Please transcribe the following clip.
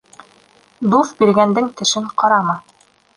Дуҫ биргәндең тешен ҡарама.